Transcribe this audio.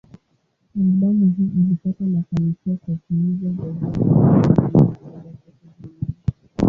Albamu hii ilipata mafanikio kwa kuuza zaidi ya nakala milioni saba kote duniani.